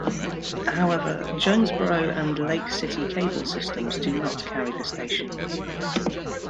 However, Jonesboro and Lake City cable systems do not carry the station.